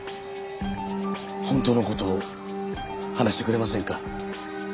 本当の事を話してくれませんか。